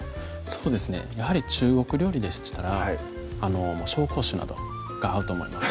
そうですねやはり中国料理でしたら紹興酒などが合うと思います